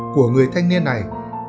của người thanh niên này